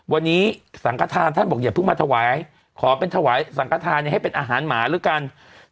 วันนี้สังขทานท่านบอกอย่าเพิ่งมาถวายขอเป็นถวายสังขทานให้เป็นอาหารหมาแล้วกัน